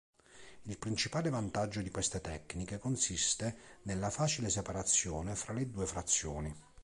Il principale vantaggio di queste tecniche consiste nella facile separazione fra le due frazioni.